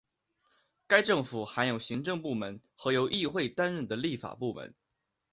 该政府含有行政部门和由议会担任的立法部门。